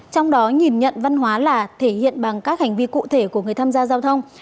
trong đó nhìn nhận văn hóa là thể hiện bằng các hành vi cụ thể của người tham gia giao thông